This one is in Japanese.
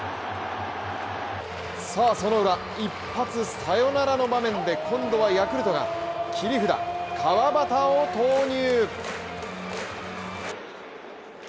そのウラ一発サヨナラの場面で今度はヤクルトが切り札川端を投入。